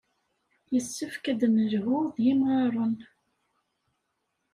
Yessefk ad nelhu d yimɣaren.